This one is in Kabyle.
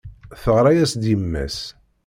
Teɣra-as-d yemma-s.